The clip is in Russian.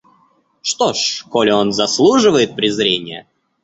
Что ж, коли он заслуживает презрения!